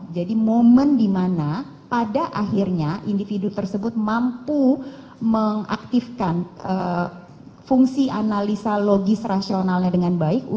jadi momen dimana pada akhirnya individu tersebut mampu mengaktifkan fungsi analisa logis rasionalnya dengan baik